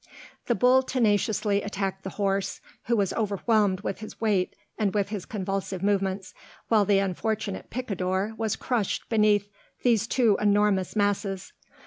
The bull tenaciously attacked the horse, who was overwhelmed with his weight and with his convulsive movements, while the unfortunate picador was crushed beneath these two enormous masses.